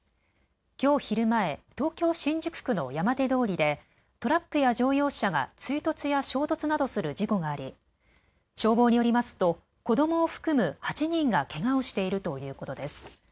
きょう昼前、東京新宿区の山手通りでトラックや乗用車が追突や衝突などする事故があり消防によりますと子どもを含む８人がけがをしているということです。